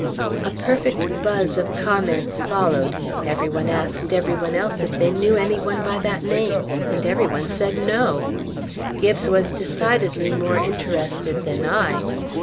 " A perfect buzz of comments followed; every one asked every one else if they knew any one by that name, and every one said no. Gibbes was decidedly more interested than I.